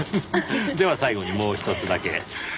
では最後にもうひとつだけ。